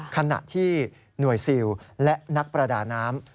ขณะที่หน่วยซิลและนักประดาน้ำ